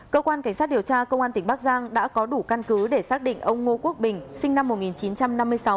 cơ quan cảnh sát điều tra công an tỉnh bắc giang đã có đủ căn cứ để xác định ông ngô quốc bình sinh năm một nghìn chín trăm năm mươi sáu